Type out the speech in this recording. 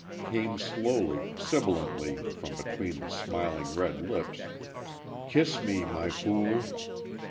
Came slowly, sibillantly, from between the smiling red lips: "Kiss me, My Fool!"